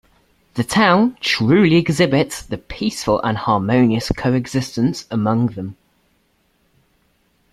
The town truly exhibits the peaceful and harmonious coexistence among them.